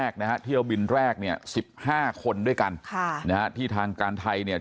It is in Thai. คนนี้นะคะ